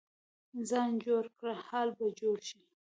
ځان جوړ کړه، حال به جوړ شي.